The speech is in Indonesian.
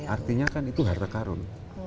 artinya kan itu harta karun